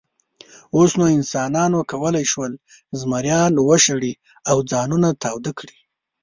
اوس نو انسانانو کولی شول، زمریان وشړي او ځانونه تاوده کړي.